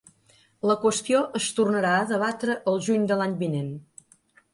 La qüestió es tornarà a debatre el juny de l’any vinent.